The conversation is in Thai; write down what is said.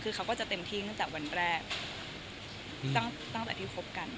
คือเขาก็จะเต็มที่ตั้งแต่วันแรกตั้งแต่ที่คบกัน